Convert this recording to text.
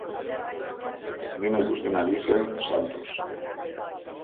Dena ikusten ari zen Santos.